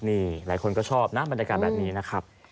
นี่หลายคนก็ชอบนะบรรยากาศแบบนี้นะครับ